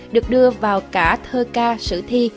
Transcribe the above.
được đưa vào cả thơ ca sử thi